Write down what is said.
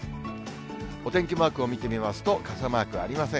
お天気マークを見てみますと、傘マークありません。